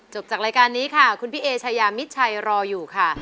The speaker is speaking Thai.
จากรายการนี้ค่ะคุณพี่เอชายามิดชัยรออยู่ค่ะ